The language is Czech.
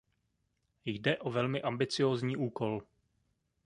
Jde o velmi ambiciózní úkol.